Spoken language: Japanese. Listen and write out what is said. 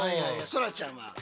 そらちゃんは？